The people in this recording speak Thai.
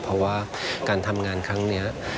เพราะว่าการทำงานครั้งนี้